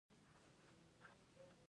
ازادي راډیو د د بیان آزادي اړوند مرکې کړي.